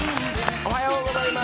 おはようございます。